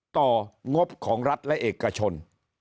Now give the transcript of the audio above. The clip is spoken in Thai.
งบของรัฐและเอกชน